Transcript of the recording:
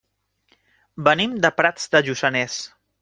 Venim de Prats de Lluçanès.